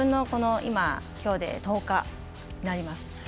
きょうで１０日になります。